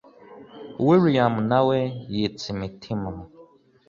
william nawe yitsa imitima